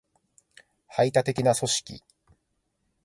排他的な組織